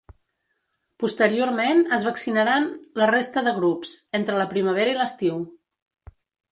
Posteriorment, es vaccinaran la resta de grups, entre la primavera i l’estiu.